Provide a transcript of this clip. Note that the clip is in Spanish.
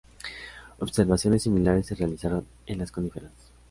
Observaciones similares se realizaron en las coníferas.